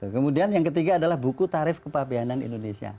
kemudian yang ketiga adalah buku tarif kepabianan indonesia